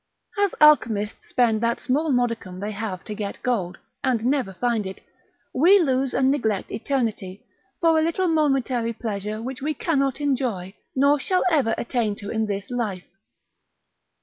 As alchemists spend that small modicum they have to get gold, and never find it, we lose and neglect eternity, for a little momentary pleasure which we cannot enjoy, nor shall ever attain to in this life.